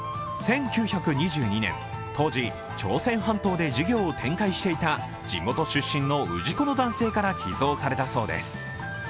１９２２年、当時、朝鮮半島で事業を展開していた地元出身の氏子の男性から寄贈されたそうです。